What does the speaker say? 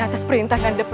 atau dia masih hidup